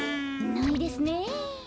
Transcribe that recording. ないですねえ。